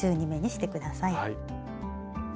はい。